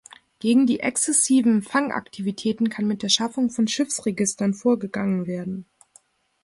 Gegen die exzessiven Fangaktivitäten kann mit der Schaffung von Schiffsregistern vorgegangen werden.